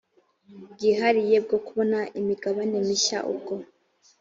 bwihariye bwo kubona imigabane mishya ubwo